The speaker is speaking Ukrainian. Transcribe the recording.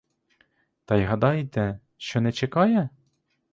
Та й гадаєте, що не чекає?